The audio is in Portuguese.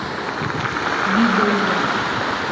Videira